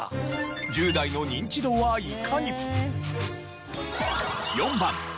１０代のニンチドはいかに？